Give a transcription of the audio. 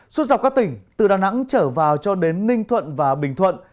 suốt dọc các tỉnh từ đà nẵng trở vào cho đến ninh thuận và bình thuận